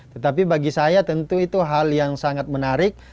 tetapi bagi saya tentu itu hal yang sangat menarik